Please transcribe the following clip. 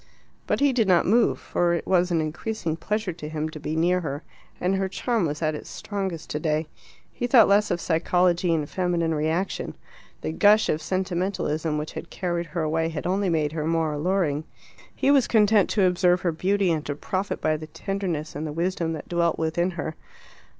But he did not move, for it was an increasing pleasure to him to be near her, and her charm was at its strongest today. He thought less of psychology and feminine reaction. The gush of sentimentalism which had carried her away had only made her more alluring. He was content to observe her beauty and to profit by the tenderness and the wisdom that dwelt within her.